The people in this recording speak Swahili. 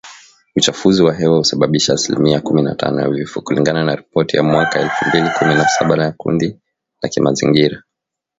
Uchafuzi wa hewa husababisha asilimia kumi na tano ya vifo kulingana na ripoti ya mwaka elfu mbili kumi na saba ya kundi la kimazingira